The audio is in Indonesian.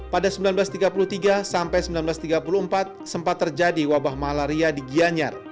pada seribu sembilan ratus tiga puluh tiga sampai seribu sembilan ratus tiga puluh empat sempat terjadi wabah malaria di gianyar